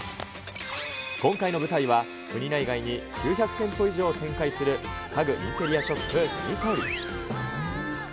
今回の舞台は、国内外に９００店舗以上展開する家具インテリアショップ、ニトリ。